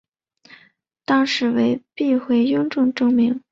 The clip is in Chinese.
当是为避讳雍正帝名。